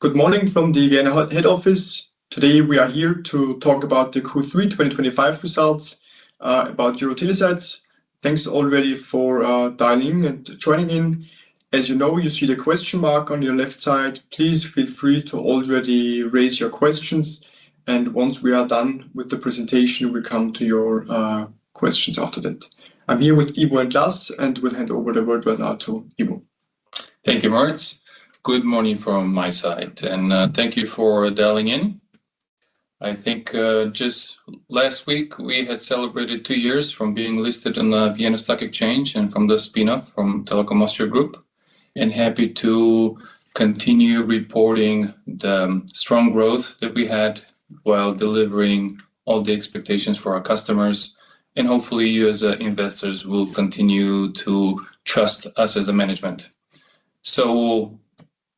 Good morning from the Vienna Head Office. Today we are here to talk about the Q3 2025 results, about EuroTeleSites. Thanks already for dialing in and joining in. As you know, you see the question mark on your left side. Please feel free to already raise your questions, and once we are done with the presentation, we come to your questions after that. I'm here with Ivo and Lars, and we'll hand over the word right now to Ivo. Thank you, Moritz. Good morning from my side, and thank you for dialing in. I think just last week we had celebrated two years from being listed on the Vienna Stock Exchange and from the spin-off from Telekom Austria Group. I'm happy to continue reporting the strong growth that we had while delivering all the expectations for our customers, and hopefully you as investors will continue to trust us as a management.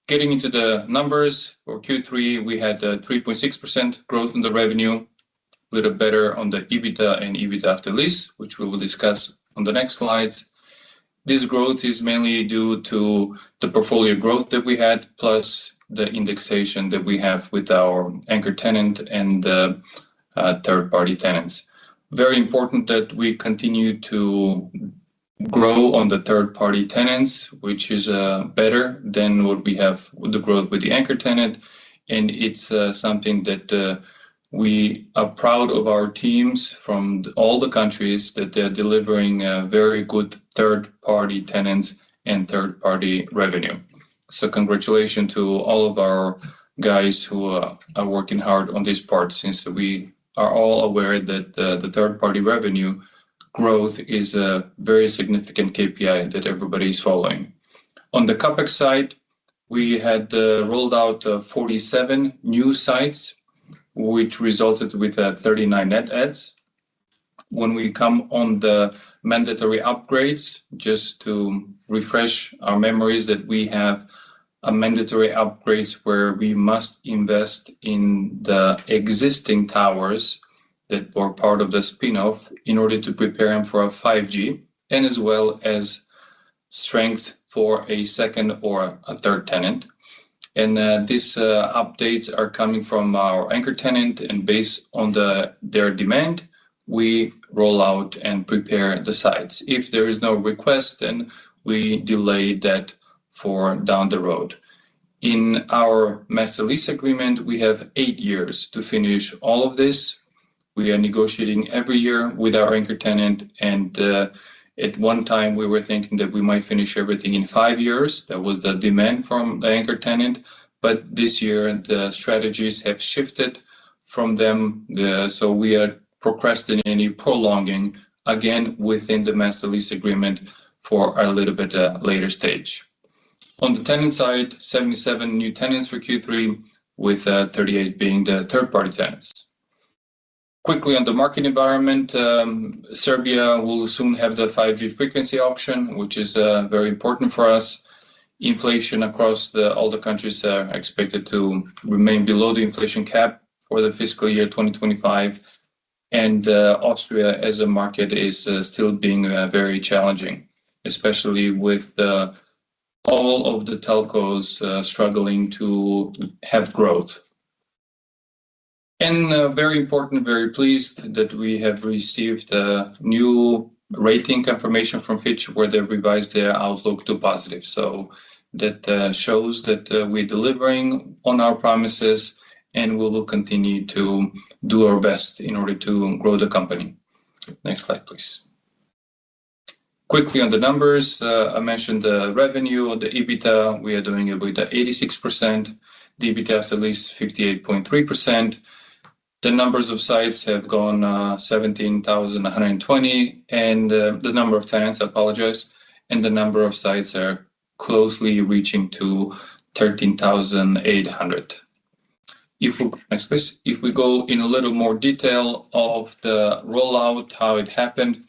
Getting into the numbers for Q3, we had 3.6% growth in the revenue, a little better on the EBITDA and EBITDA after lease, which we will discuss on the next slides. This growth is mainly due to the portfolio growth that we had, plus the indexation that we have with our anchor tenant and the third-party tenants. It is very important that we continue to grow on the third-party tenants, which is better than what we have with the growth with the anchor tenant. It's something that we are proud of our teams from all the countries that they are delivering very good third-party tenants and third-party revenue. Congratulations to all of our guys who are working hard on this part since we are all aware that the third-party revenue growth is a very significant KPI that everybody is following. On the CapEx side, we had rolled out 47 new sites, which resulted with 39 net adds. When we come on the mandatory upgrades, just to refresh our memories that we have mandatory upgrades where we must invest in the existing towers that were part of the spin-off in order to prepare them for 5G and as well as strength for a second or a third tenant. These updates are coming from our anchor tenant, and based on their demand, we roll out and prepare the sites. If there is no request, then we delay that for down the road. In our mass release agreement, we have eight years to finish all of this. We are negotiating every year with our anchor tenant, and at one time we were thinking that we might finish everything in five years. That was the demand from the anchor tenant, but this year the strategies have shifted from them, so we are procrastinating, prolonging again within the mass release agreement for a little bit later stage. On the tenant side, 77 new tenants for Q3, with 38 being the third-party tenants. Quickly on the market environment, Serbia will soon have the 5G frequency auction, which is very important for us. Inflation across all the countries is expected to remain below the inflation cap for the fiscal year 2025, and Austria as a market is still being very challenging, especially with all of the telcos struggling to have growth. Very important, very pleased that we have received a new rating confirmation from Fitch Ratings where they revised their outlook to positive. That shows that we're delivering on our promises and we will continue to do our best in order to grow the company. Next slide, please. Quickly on the numbers, I mentioned the revenue on the EBITDA. We are doing about 86%. The EBITDA after lease 58.3%. The number of sites has gone 17,120, and the number of tenants, I apologize, and the number of sites are closely reaching to 13,800. If we go in a little more detail of the rollout, how it happened,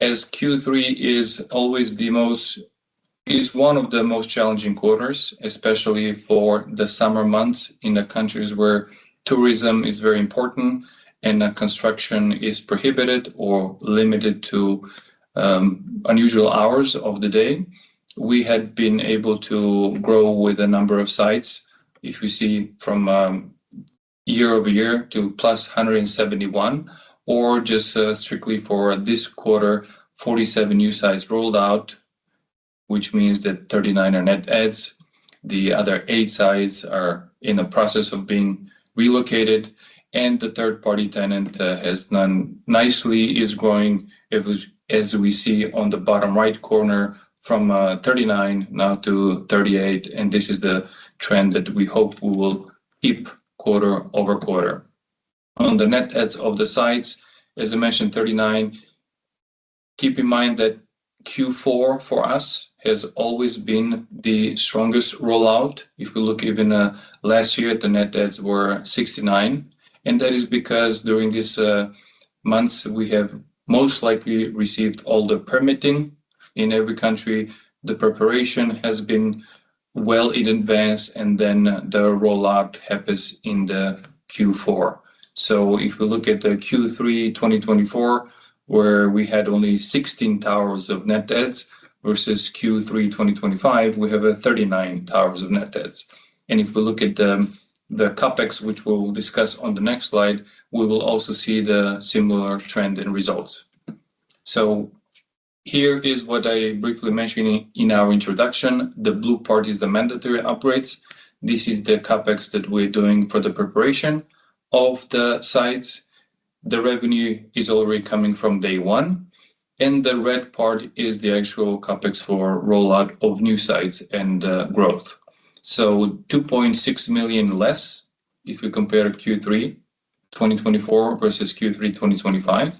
as Q3 is always the most, is one of the most challenging quarters, especially for the summer months in the countries where tourism is very important and construction is prohibited or limited to unusual hours of the day. We had been able to grow with a number of sites. If we see from year over year to +171, or just strictly for this quarter, 47 new sites rolled out, which means that 39 are net adds. The other eight sites are in the process of being relocated, and the third-party tenant has done nicely, is growing, as we see on the bottom right corner, from 39 now to 38, and this is the trend that we hope we will keep quarter over quarter. On the net adds of the sites, as I mentioned, 39. Keep in mind that Q4 for us has always been the strongest rollout. If we look even last year, the net adds were 69, and that is because during these months we have most likely received all the permitting in every country. The preparation has been well in advance, and the rollout happens in the Q4. If we look at the Q3 2024, where we had only 16 towers of net adds, versus Q3 2025, we have 39 towers of net adds. If we look at the CapEx, which we'll discuss on the next slide, we will also see the similar trend in results. Here is what I briefly mentioned in our introduction. The blue part is the mandatory upgrades. This is the CapEx that we're doing for the preparation of the sites. The revenue is already coming from day one, and the red part is the actual CapEx for rollout of new sites and growth. $2.6 million less if we compare Q3 2024 versus Q3 2025.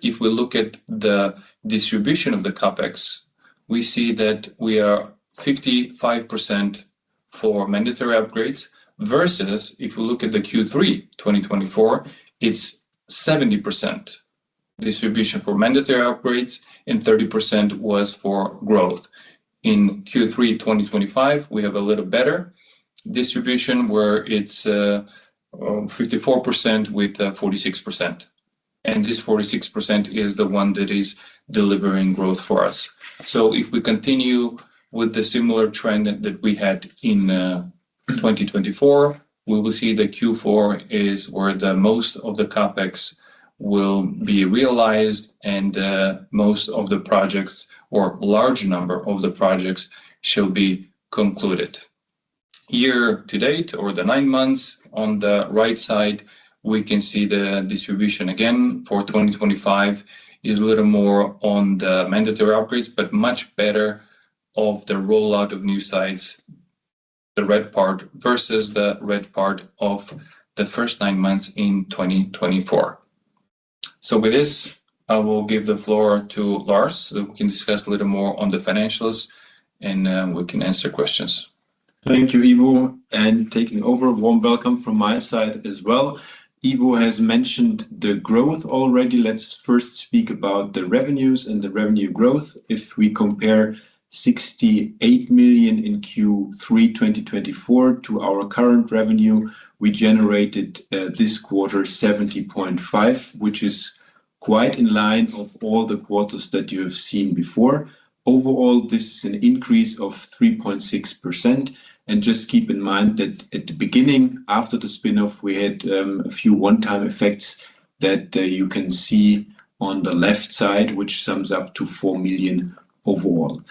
If we look at the distribution of the CapEx, we see that we are 55% for mandatory upgrades. If we look at Q3 2024, it's 70% distribution for mandatory upgrades and 30% was for growth. In Q3 2025, we have a little better distribution where it's 54% with 46%. This 46% is the one that is delivering growth for us. If we continue with the similar trend that we had in 2024, we will see that Q4 is where most of the CapEx will be realized and most of the projects, or a large number of the projects, shall be concluded. Year to date, or the nine months on the right side, we can see the distribution again for 2025 is a little more on the mandatory upgrades, but much better of the rollout of new sites, the red part versus the red part of the first nine months in 2024. I will give the floor to Lars, so we can discuss a little more on the financials and we can answer questions. Thank you, Ivo, and taking over, warm welcome from my side as well. Ivo has mentioned the growth already. Let's first speak about the revenues and the revenue growth. If we compare €68 million in Q3 2024 to our current revenue, we generated this quarter €70.5 million, which is quite in line with all the quarters that you have seen before. Overall, this is an increase of 3.6%. Just keep in mind that at the beginning, after the spin-off, we had a few one-time effects that you can see on the left side, which sums up to €4 million overall.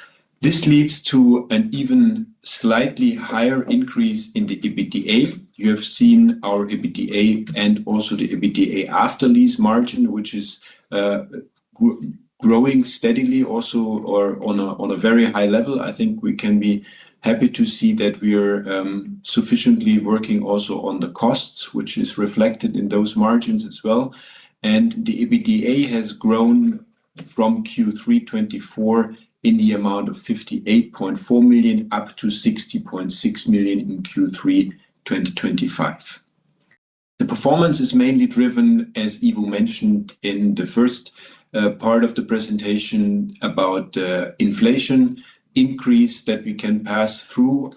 This leads to an even slightly higher increase in the EBITDA. You have seen our EBITDA and also the EBITDA after lease margin, which is growing steadily also on a very high level. I think we can be happy to see that we are sufficiently working also on the costs, which is reflected in those margins as well. The EBITDA has grown from Q3 2024 in the amount of €58.4 million up to €60.6 million in Q3 2025. The performance is mainly driven, as Ivo mentioned in the first part of the presentation, about the inflation increase that we can pass through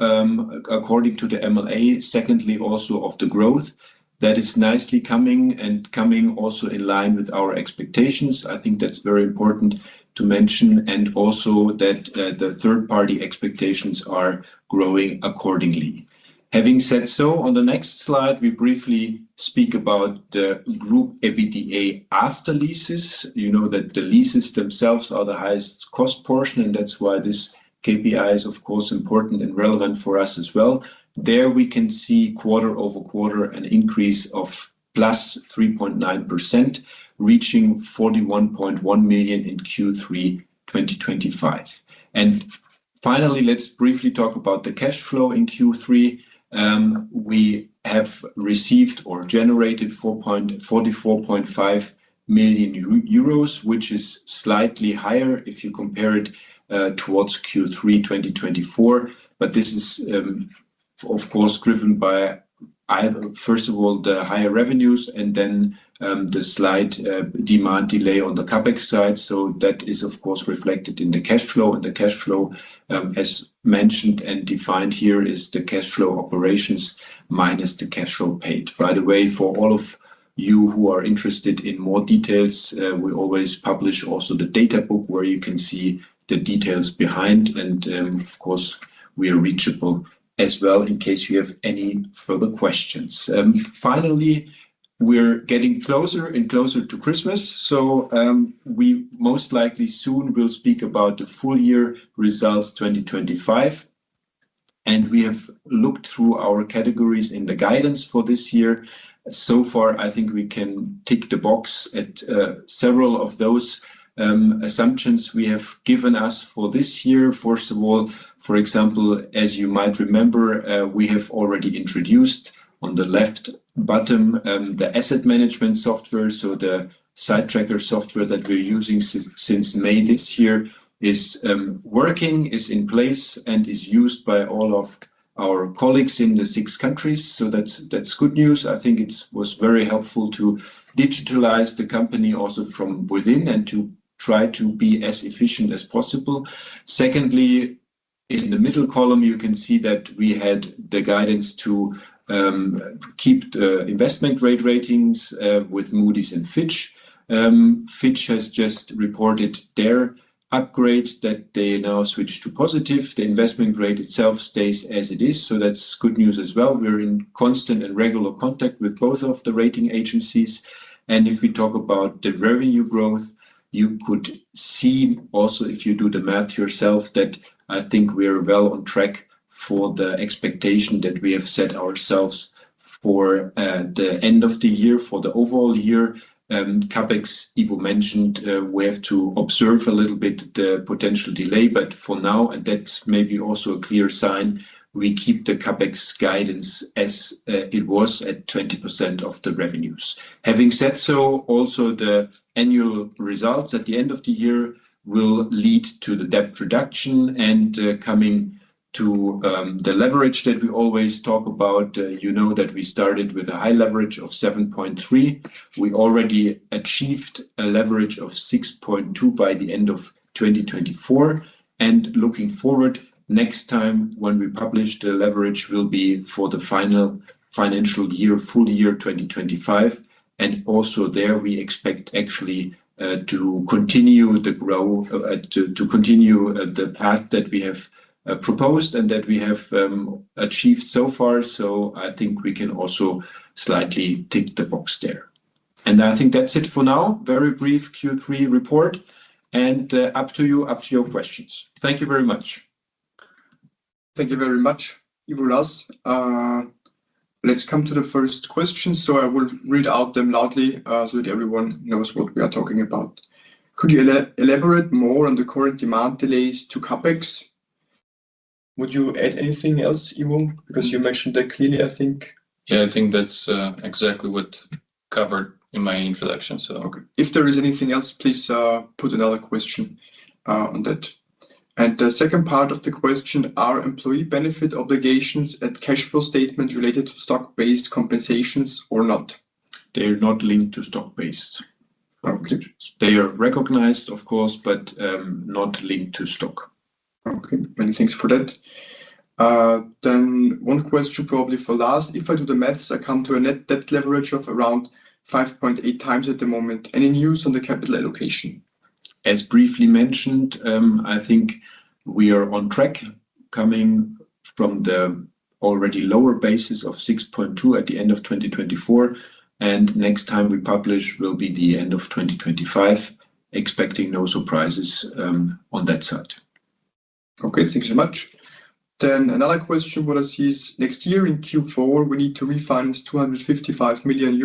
according to the MLA. Secondly, also of the growth that is nicely coming and coming also in line with our expectations. I think that's very important to mention and also that the third-party expectations are growing accordingly. Having said so, on the next slide, we briefly speak about the group EBITDA after leases. You know that the leases themselves are the highest cost portion, and that's why this KPI is, of course, important and relevant for us as well. There we can see quarter-over-quarter an increase of plus 3.9%, reaching €41.1 million in Q3 2025. Finally, let's briefly talk about the cash flow in Q3. We have received or generated €44.5 million, which is slightly higher if you compare it towards Q3 2024. This is, of course, driven by, first of all, the higher revenues and then the slight demand delay on the CapEx side. That is, of course, reflected in the cash flow. The cash flow, as mentioned and defined here, is the cash flow operations minus the cash flow paid. By the way, for all of you who are interested in more details, we always publish also the data book where you can see the details behind. Of course, we are reachable as well in case you have any further questions. Finally, we're getting closer and closer to Christmas, so we most likely soon will speak about the full year results 2025. We have looked through our categories in the guidance for this year. So far, I think we can tick the box at several of those assumptions we have given us for this year. First of all, for example, as you might remember, we have already introduced on the left bottom the asset management software. The Sitetracker software that we're using since May this year is working, is in place, and is used by all of our colleagues in the six countries. That's good news. I think it was very helpful to digitalize the company also from within and to try to be as efficient as possible. Secondly, in the middle column, you can see that we had the guidance to keep the investment-grade ratings with Moody's and Fitch. Fitch has just reported their upgrade that they now switched to positive. The investment-grade itself stays as it is. That's good news as well. We're in constant and regular contact with both of the rating agencies. If we talk about the revenue growth, you could see also if you do the math yourself that I think we are well on track for the expectation that we have set ourselves for the end of the year, for the overall year. CapEx, Ivo mentioned, we have to observe a little bit the potential delay, but for now, and that's maybe also a clear sign, we keep the CapEx guidance as it was at 20% of the revenues. Having said so, also the annual results at the end of the year will lead to the debt reduction and coming to the leverage that we always talk about. You know that we started with a high leverage of 7.3. We already achieved a leverage of 6.2 by the end of 2024. Looking forward, next time when we publish the leverage, it will be for the final financial year, full year 2025. Also there, we expect actually to continue the growth, to continue the path that we have proposed and that we have achieved so far. I think we can also slightly tick the box there. I think that's it for now. Very brief Q3 report and up to you, up to your questions. Thank you very much. Thank you very much, Ivo, Lars. Let's come to the first question. I will read out them loudly so that everyone knows what we are talking about. Could you elaborate more on the current demand delays to CapEx? Would you add anything else, Ivo, because you mentioned that clearly, I think? Yeah, I think that's exactly what I covered in my introduction. If there is anything else, please put another question on that. The second part of the question, are employee benefit obligations at cash flow statements related to stock-based compensations or not? They are not linked to stock-based compensations. They are recognized, of course, but not linked to stock. Okay, many thanks for that. One question probably for Lars. If I do the maths, I come to a net debt leverage of around 5.8 times at the moment. Any news on the capital allocation? As briefly mentioned, I think we are on track coming from the already lower basis of 6.2 at the end of 2024. Next time we publish will be the end of 2025, expecting no surprises on that side. Okay, thanks so much. Another question, what I see is next year in Q4, we need to refinance €255 million.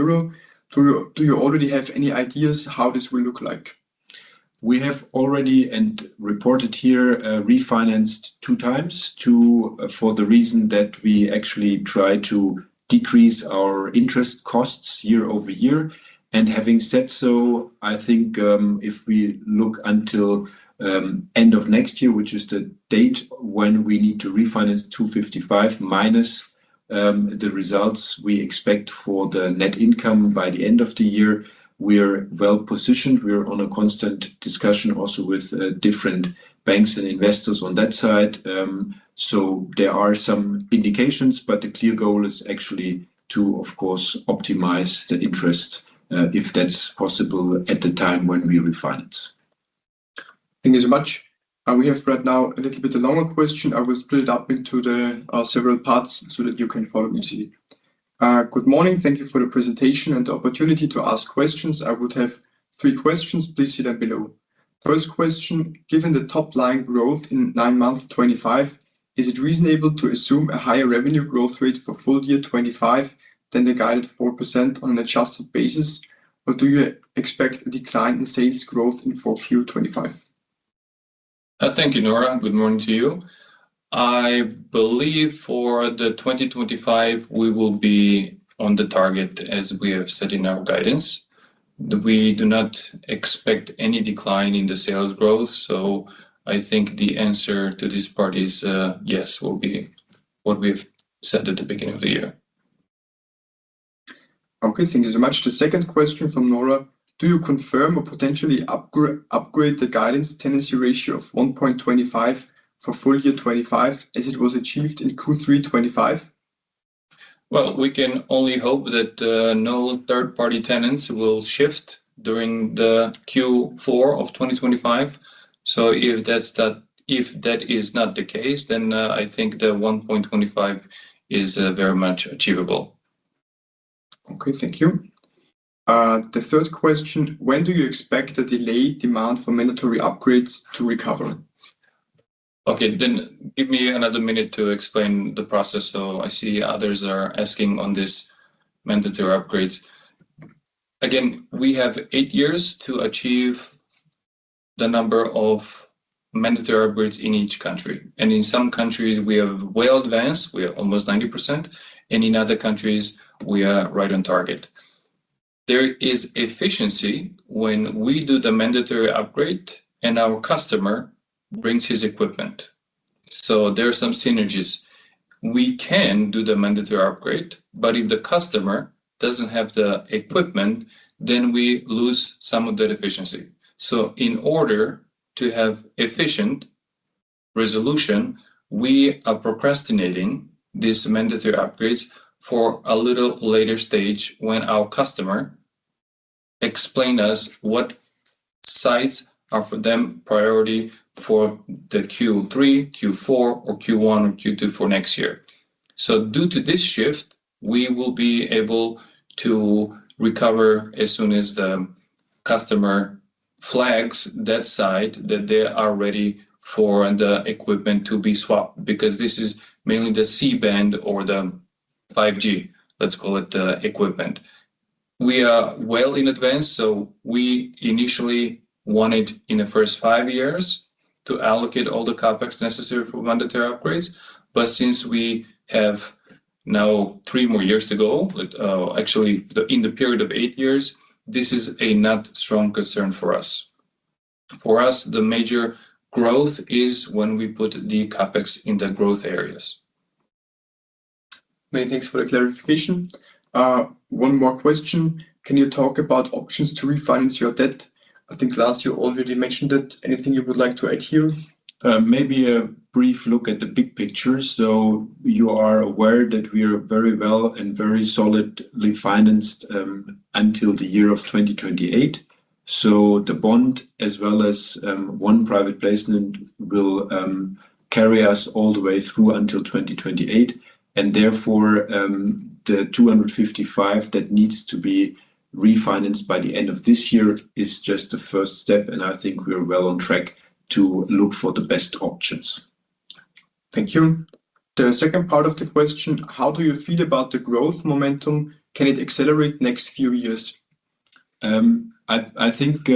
Do you already have any ideas how this will look like? We have already, and reported here, refinanced 2x for the reason that we actually try to decrease our interest costs year over year. Having said so, I think if we look until the end of next year, which is the date when we need to refinance €255 million minus the results we expect for the net income by the end of the year, we're well positioned. We're in constant discussion also with different banks and investors on that side. There are some indications, but the clear goal is actually to, of course, optimize the interest if that's possible at the time when we refinance. Thank you so much. We have right now a little bit of a longer question. I will split it up into several parts so that you can follow me. Good morning. Thank you for the presentation and the opportunity to ask questions. I would have three questions. Please see them below. First question, given the top line growth in nine months 2025, is it reasonable to assume a higher revenue growth rate for full year 2025 than the guided 4% on an adjusted basis, or do you expect a decline in sales growth in full Q4 2025? Thank you, Nora. Good morning to you. I believe for 2025, we will be on the target, as we have said in our guidance. We do not expect any decline in the sales growth. I think the answer to this part is yes, will be what we have said at the beginning of the year. Okay, thank you so much. The second question from Nora, do you confirm or potentially upgrade the guidance tenancy ratio of 1.25 for full year 2025 as it was achieved in Q3 2025? If that is not the case, then I think the 1.25 is very much achievable. We can only hope that no third-party tenants will shift during Q4 2025. Okay, thank you. The third question, when do you expect the delayed demand for mandatory upgrades to recover? Okay, then give me another minute to explain the process. I see others are asking on this mandatory upgrades. Again, we have eight years to achieve the number of mandatory upgrades in each country. In some countries, we have well advanced. We are almost 90%. In other countries, we are right on target. There is efficiency when we do the mandatory upgrade and our customer brings his equipment. There are some synergies. We can do the mandatory upgrade, but if the customer doesn't have the equipment, we lose some of that efficiency. In order to have efficient resolution, we are procrastinating these mandatory upgrades for a little later stage when our customer explains to us what sites are for them priority for the Q3, Q4, or Q1, or Q2 for next year. Due to this shift, we will be able to recover as soon as the customer flags that site that they are ready for the equipment to be swapped because this is mainly the C-band or the 5G, let's call it the equipment. We are well in advance. We initially wanted in the first five years to allocate all the CapEx necessary for mandatory upgrades. Since we have now three more years to go, actually in the period of eight years, this is not a strong concern for us. For us, the major growth is when we put the CapEx in the growth areas. Many thanks for the clarification. One more question. Can you talk about options to refinance your debt? I think Lars, you already mentioned that. Anything you would like to add here? Maybe a brief look at the big picture. You are aware that we are very well and very solidly financed until the year 2028. The bond, as well as one private placement, will carry us all the way through until 2028. Therefore, the €255 million that needs to be refinanced by the end of this year is just the first step. I think we are well on track to look for the best options. Thank you. The second part of the question, how do you feel about the growth momentum? Can it accelerate next few years? I think,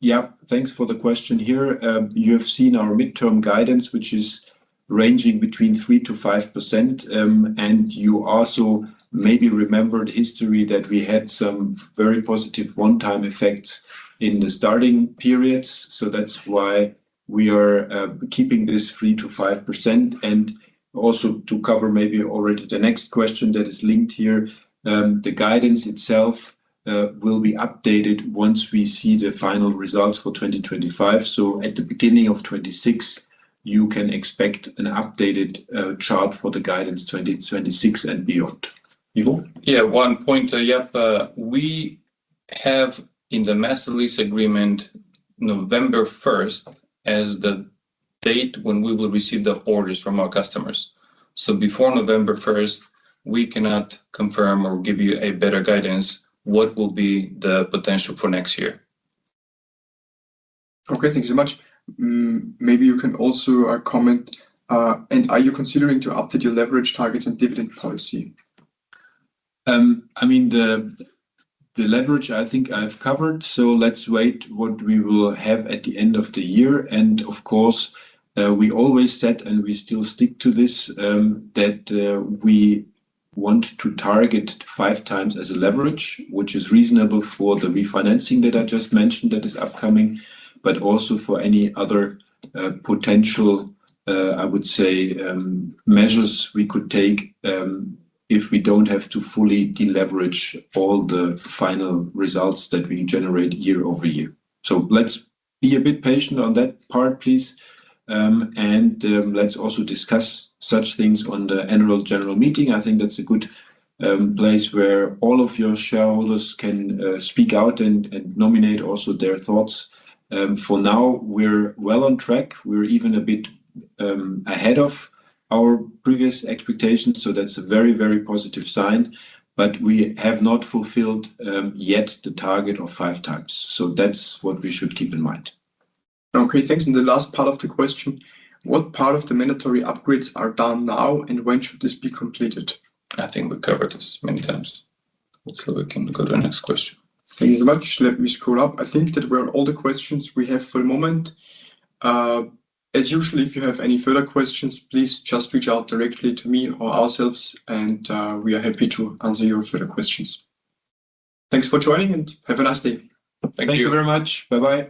yeah, thanks for the question here. You have seen our midterm guidance, which is ranging between 3%-5%. You also maybe remember the history that we had some very positive one-time effects in the starting periods. That's why we are keeping this 3%-5%. Also, to cover maybe already the next question that is linked here, the guidance itself will be updated once we see the final results for 2025. At the beginning of 2026, you can expect an updated chart for the guidance 2026 and beyond. Ivo? One point. We have in the mass release agreement November 1 as the date when we will receive the orders from our customers. Before November 1st, we cannot confirm or give you a better guidance what will be the potential for next year. Okay, thank you so much. Maybe you can also comment, and are you considering to update your leverage targets and dividend policy? I mean, the leverage I think I've covered, so let's wait for what we will have at the end of the year. Of course, we always said, and we still stick to this, that we want to target five times as a leverage, which is reasonable for the refinancing that I just mentioned that is upcoming, but also for any other potential, I would say, measures we could take if we don't have to fully deleverage all the final results that we generate year over year. Please, let's be a bit patient on that part. Let's also discuss such things at the annual general meeting. I think that's a good place where all of your shareholders can speak out and nominate also their thoughts. For now, we're well on track. We're even a bit ahead of our previous expectations. That's a very, very positive sign. We have not fulfilled yet the target of 5x. That's what we should keep in mind. Thank you. The last part of the question, what part of the mandatory upgrades are done now, and when should this be completed? I think we covered this many times. Hopefully, we can go to the next question. Thank you so much. Let me scroll up. I think that were all the questions we have for the moment. As usual, if you have any further questions, please just reach out directly to me or ourselves, and we are happy to answer your further questions. Thanks for joining and have a nice day. Thank you very much. Bye-bye.